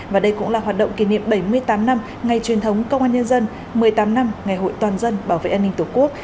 và đây cũng là hoạt động kỷ niệm bảy mươi tám năm ngày truyền thống công an nhân dân một mươi tám năm ngày hội toàn dân bảo vệ an ninh tổ quốc